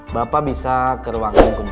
bapak bisa ke ruangan kunjungan pak